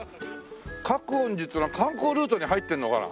覚園寺っていうのは観光ルートに入ってんのかな？